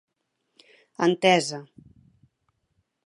Entesa.